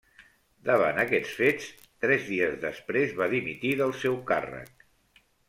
Davant aquests fets, tres dies després va dimitir del seu càrrec.